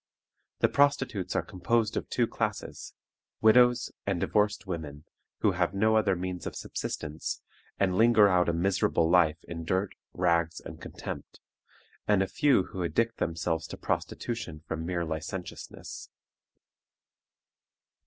The prostitutes are composed of two classes widows and divorced women, who have no other means of subsistence, and linger out a miserable life in dirt, rags, and contempt; and a few who addict themselves to prostitution from mere licentiousness.